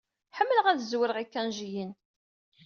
Ḥemmleɣ ad zerweɣ ikanjiyen.